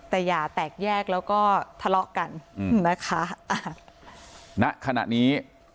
แต่อย่าแตกแยกแล้วก็ทะเลาะกันอืมนะคะอ่าณขณะนี้